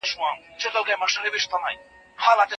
الله تعالی له بنده سره محاسبه کوي.